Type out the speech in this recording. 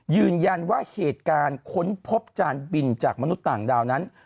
ยืนยันว่าเหตุการณ์ค้นพบจานบินจากมนุษย์ต่างดาวนั้น